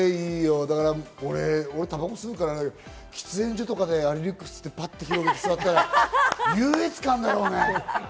俺タバコ吸うから喫煙所とかであのリュックをパッと広げて座ったら優越感だろうね。